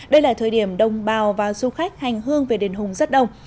đây là thời điểm đồng bào và du khách hành hương về đền hùng rất đông